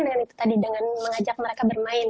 dengan itu tadi dengan mengajak mereka bermain